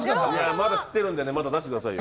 まだ知ってるんでまた出してくださいよ。